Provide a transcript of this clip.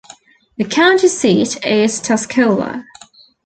The county seat is Tuscola.